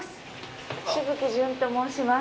紫吹淳と申します。